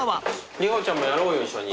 梨穂ちゃんもやろうよ一緒に。